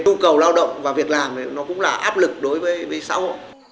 thu cầu lao động và việc làm thì nó cũng là áp lực đối với xã hội